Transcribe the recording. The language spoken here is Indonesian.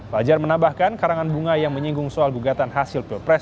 fajar menambahkan karangan bunga yang menyinggung soal gugatan hasil pilpres dua ribu dua puluh empat